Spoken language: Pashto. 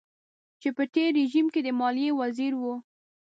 چې په تېر رژيم کې د ماليې وزير و.